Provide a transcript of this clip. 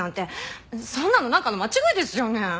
そんなのなんかの間違いですよね？